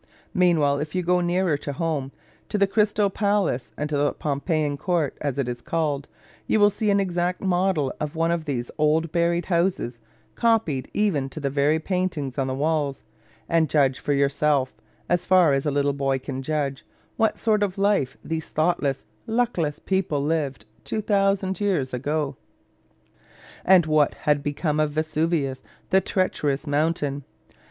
Meanwhile, if you go nearer home, to the Crystal Palace and to the Pompeian Court, as it is called, you will see an exact model of one of these old buried houses, copied even to the very paintings on the wells, and judge for yourself, as far as a little boy can judge, what sort of life these thoughtless, luckless people lived 2000 years ago. And what had become of Vesuvius, the treacherous mountain?